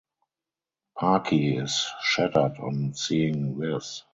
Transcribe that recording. Pakhi is shattered on seeing this.